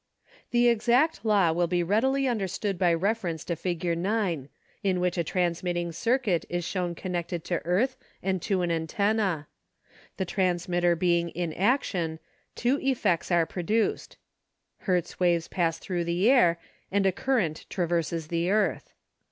The exact law will be readily understood by reference to Fig. 9, in which a transmit ting circuit is shown connected to earth and to an antenna. The transmitter being in action, two effects are produced : Hertz waves pass thru the air, and a current traverses the earth.